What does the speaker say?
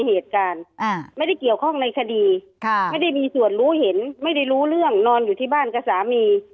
เรามาคุยกันสิไหนพยานไหนพยานของคุณ